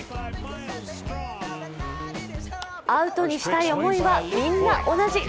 アウトにしたい思いはみんな同じ。